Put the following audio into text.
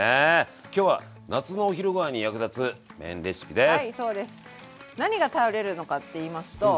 きょうは夏のお昼ごはんに役立つ麺レシピです。